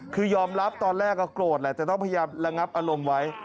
คือยอมรับตอนแรกก็โกรธแหละแต่ต้องพยายามระงับอารมณ์ไว้